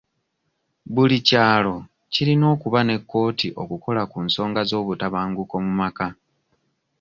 Buli kyalo kirina okuba ne kkooti okukola ku nsonga z'obutabanguko mu maka.